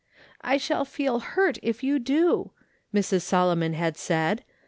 lOi " I shall feel liurt if you do,'^ Mrs. Solomon had said.